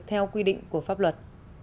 theo quy định của pháp luật